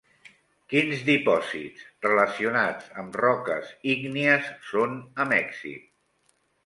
Quins dipòsits relacionats amb roques ígnies són a Mèxic?